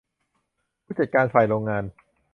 ผู้จัดการฝ่ายโรงงาน